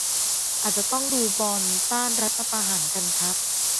อาจจะต้องดูบอลต้านรัฐประหารกันครับ